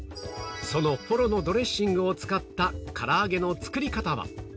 そのフォロのドレッシングを使った唐揚げの作り方は